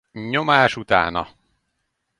Nyomás utána!